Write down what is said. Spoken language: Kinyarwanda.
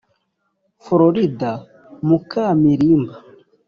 Florida muka Milimba